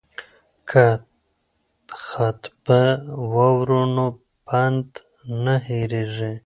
که خطبه واورو نو پند نه هیریږي.